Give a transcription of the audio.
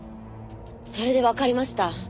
それでわかりました。